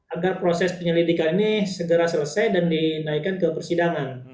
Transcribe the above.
agar proses penyelidikan ini segera selesai dan dinaikkan ke persidangan